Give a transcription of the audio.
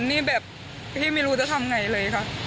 นี่แบบพี่ไม่รู้จะทำไงเลยค่ะ